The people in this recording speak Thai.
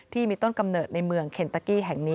ที่มีต้นกำเนิดในเมืองเคนตะกี้แห่งนี้